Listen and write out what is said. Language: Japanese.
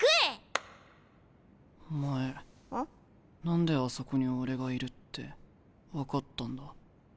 何であそこに俺がいるって分かったんだ？